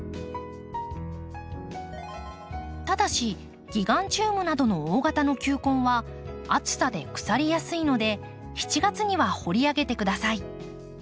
ただしギガンチウムなどの大型の球根は暑さで腐りやすいので７月には掘り上げてください。